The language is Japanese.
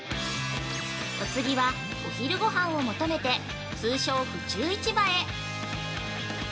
◆お次は、お昼ごはんを求めて通称・府中市場へ。